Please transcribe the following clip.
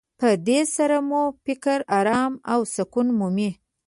په دې سره مو فکر ارامي او سکون مومي.